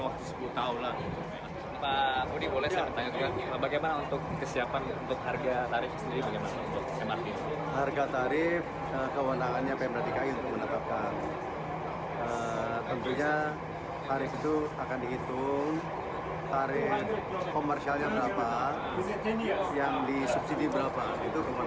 harga tarif kewenangannya pmrtki untuk menetapkan